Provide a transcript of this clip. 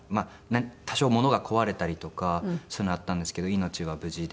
多少物が壊れたりとかそういうのあったんですけど命は無事で。